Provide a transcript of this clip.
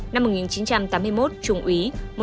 năm một nghìn chín trăm tám mươi một trung úy